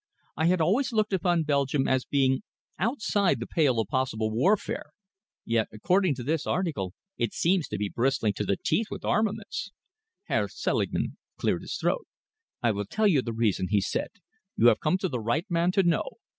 I had always looked upon Belgium as being outside the pale of possible warfare, yet according to this article it seems to be bristling to the teeth with armaments." Herr Selingman cleared his throat. "I will tell you the reason," he said. "You have come to the right man to know.